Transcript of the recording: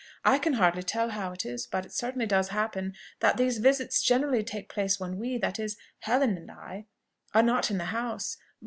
I can hardly tell how it is, but it certainly does happen, that these visits generally take place when we that is, Helen and I are not in the house; but